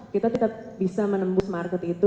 kita tetap bisa menembus market itu